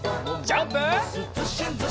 ジャンプ！